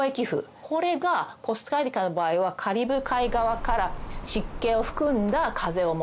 これがコスタリカの場合はカリブ海側から湿気を含んだ風をもたらして。